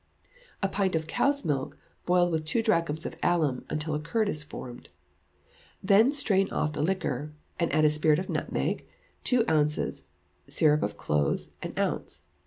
A pint of cow's milk boiled with two drachms of alum, until a curd is formed. Then strain off the liquor, and add spirit of nutmeg, two ounces; syrup of cloves, an ounce.